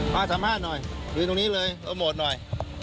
มาสัมภาษณ์หน่อยยืนตรงนี้เลยโปรโมทหน่อย